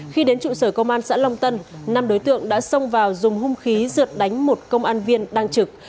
khi đến trụ sở công an xã long tân năm đối tượng đã xông vào dùng hung khí rượt đánh một công an viên đang trực